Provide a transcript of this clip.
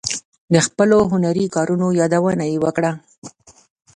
د خپلو هنري کارونو یادونه یې وکړه.